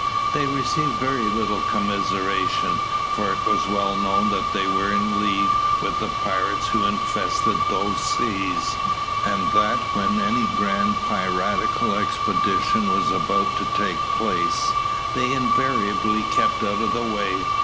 They received very little commiseration, for it was well known that they were in league with the pirates who infested those seas, and that when any grand piratical expedition was about to take place, they invariably kept out of the way.